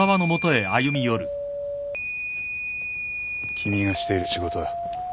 君がしている仕事だ。